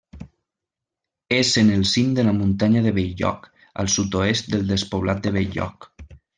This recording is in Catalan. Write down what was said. És en el cim de la muntanya de Bell-lloc, al sud-oest del despoblat de Bell-lloc.